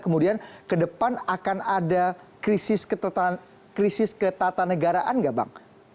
kemudian ke depan akan ada krisis ketatanegaraan nggak bang